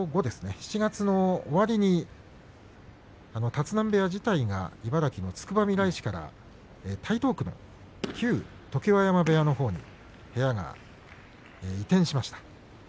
７月の終わりに立浪部屋自体が茨城のつくばみらい市から台東区の旧常盤山部屋のほうに部屋が移転しました。